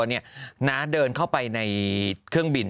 น้าเดินเข้าไปในเครื่องบิน